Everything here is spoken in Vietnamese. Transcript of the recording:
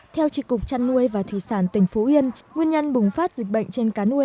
theo trị cục chăn nuôi và thủy sản tỉnh phú yên nguyên nhân bùng phát dịch bệnh trên cá nuôi